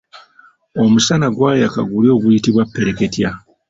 Omusana gwayaka guli oguyitibwa ppereketya.